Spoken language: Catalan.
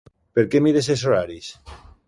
Per què mires els horaris?